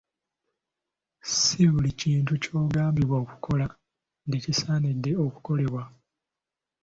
Si buli kintu ky'ogambibwa okukola nti kisaanidde okukolebwa.